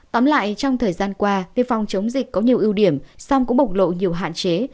tóm lại trong thời gian qua việc phòng chống dịch có nhiều ưu điểm song cũng bộc lộ nhiều hạn chế